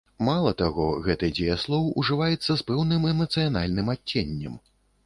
Мала таго, гэты дзеяслоў ужываецца і з пэўным эмацыянальным адценнем.